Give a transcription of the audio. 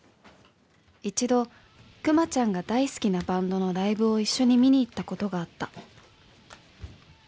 一度、くまちゃんが大好きなバンドのライブを一緒に観に行ったことがあった」。